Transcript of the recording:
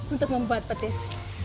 untuk membuat petis